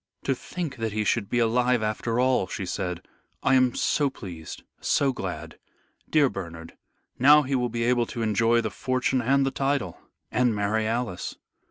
"To think that he should be alive after all," she said. "I am so pleased, so glad. Dear Bernard, now he will be able to enjoy the fortune and the title, and marry Alice."